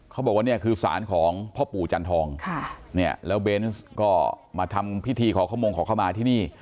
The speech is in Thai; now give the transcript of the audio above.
เขาบอกว่าเนี่ยคือสารของพ่อปู่จันทองแล้วเบนส์ก็มาทำพิธีขอขมงขอเข้ามาที่นี่